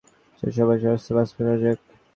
চলো, এবার তাহলে বাস্তবে করা যাক।